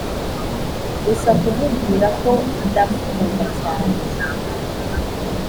gusa kumubwira ko ndamukunda cyane!